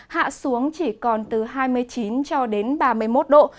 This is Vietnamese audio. hạ xuống chỉ còn từ hai mươi chín cho đến ba mươi một độ